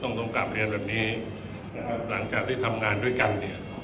ตรงตรงสามแรงแบบนี้นะครับหลังจากที่ทำงานด้วยกันเนี้ย